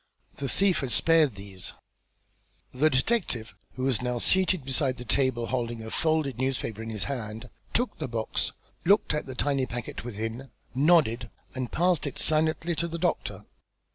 The thief has spared these." The detective, who was now seated beside the table, holding a folded newspaper in his hand, took the box, looked at the tiny packet within, nodded and passed it silently to the doctor.